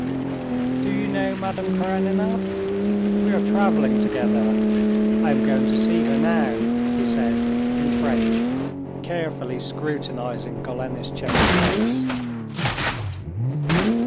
"Do you know Madame Karenina? We are traveling together. I am going to see her now," he said in French, carefully scrutinizing Golenishtchev's face.